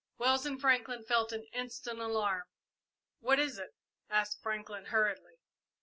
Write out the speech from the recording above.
Wells and Franklin felt an instant alarm. "What is it?" asked Franklin, hurriedly.